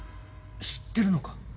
知ってるのか？